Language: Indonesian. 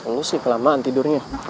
lo sih kelamaan tidurnya